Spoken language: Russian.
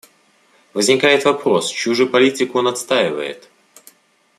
Возникает вопрос: чью же политику он отстаивает?